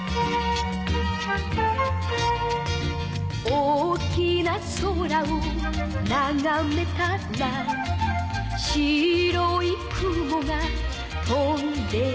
「大きな空をながめたら」「白い雲が飛んでいた」